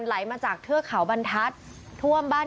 ไหลมาจากเทือกเขาบรรทัศน์